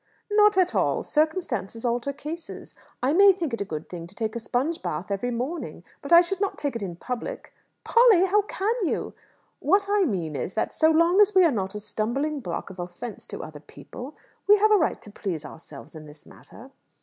"Not at all. Circumstances alter cases. I may think it a good thing to take a sponge bath every morning; but I should not take it in public." "Polly! How can you?" "What I mean is, that, so long as we are not a stumbling block of offence to other people, we have a right to please ourselves in this matter."